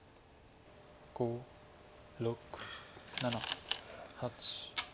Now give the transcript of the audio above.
５６７８。